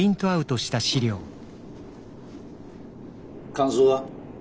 感想は？